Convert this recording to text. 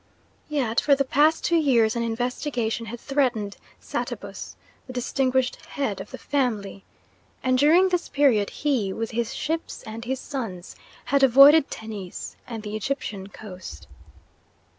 Yet for the past two years an investigation had threatened Satabus, the distinguished head of the family, and during this period he, with his ships and his sons, had avoided Tennis and the Egyptian coast.